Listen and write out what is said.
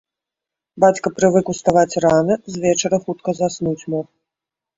Бацька прывык уставаць рана, звечара хутка заснуць мог.